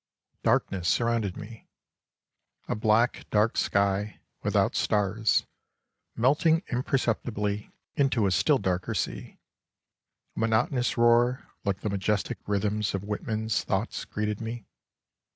Darkness surrounded me. A black, dark sky, without stars, melting imperceptibly into a still darker sea. A monotonous roar like the majestic rythms of Whitman's thoughts, greeted me.